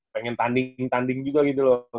pengen tanding tanding juga gitu loh